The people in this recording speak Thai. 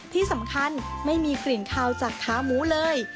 ที่สำคัญไม่มีกลิ่นคาวจากขาหมูเลย